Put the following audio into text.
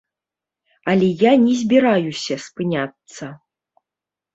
Але я не збіраюся спыняцца.